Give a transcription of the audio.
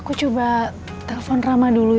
aku coba telepon rama dulu ya